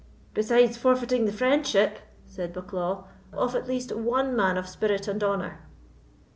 "Besides forfeiting the friendship," said Bucklaw, "of at least one man of spirit and honour."